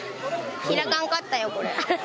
開かんかったよ、これ。